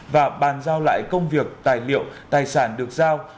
và bàn giao lại công việc tài liệu tài sản được giao